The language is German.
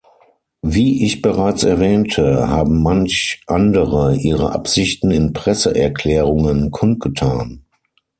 Wie ich bereits erwähnte, haben manch andere ihre Absichten in Presseerklärungen kundgetan.